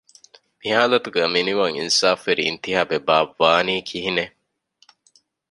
މި ހާލަތުގައި މިނިވަން އިންސާފުވެރި އިންތިހާބެއް ބާއްވާނީ ކިހިނެއް؟